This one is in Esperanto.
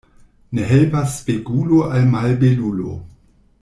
Ne helpas spegulo al malbelulo.